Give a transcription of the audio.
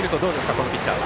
このピッチャーは。